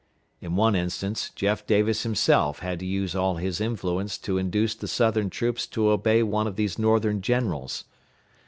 In one instance, Jeff Davis himself had to use all his influence to induce the Southern troops to obey one of these Northern generals.